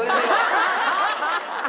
ハハハハ！